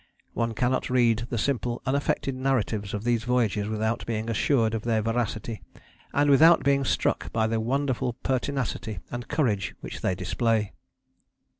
One cannot read the simple, unaffected narratives of these voyages without being assured of their veracity, and without being struck by the wonderful pertinacity and courage which they display."